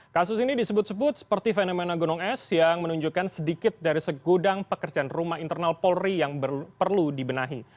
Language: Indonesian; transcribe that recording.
kasus ini disebut sebut seperti fenomena gunung es yang menunjukkan sedikit dari segudang pekerjaan rumah internal polri yang perlu dibenahi